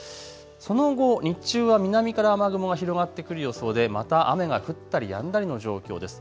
その後、日中は南から雨雲が広がってくる予想でまた雨が降ったりやんだりの状況です。